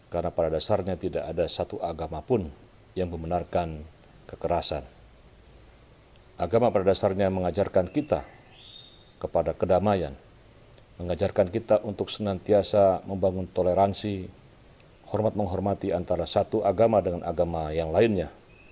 hormat menghormati antara satu agama dengan agama yang lainnya